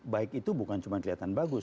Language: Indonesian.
baik itu bukan cuma kelihatan bagus